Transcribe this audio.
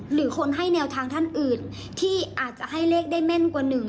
หรือคนให้แนวทางท่านอื่นที่อาจจะให้เลขได้แม่นกว่าหนึ่ง